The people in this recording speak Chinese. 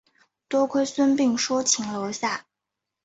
多亏孙膑说情留下。